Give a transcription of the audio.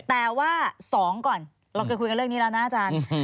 แต่ว่า๒ก่อนเราเคยคุยกันเรื่องนี้แล้วนะอาจารย์